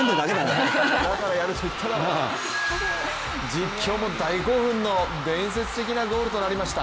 実況も大興奮の伝説的なゴールとなりました。